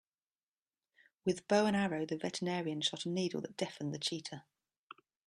With bow and arrow the veterinarian shot a needle that deafened the cheetah.